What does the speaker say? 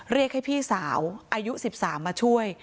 เรียกให้พี่สาวอายุ๑๓มาช่วย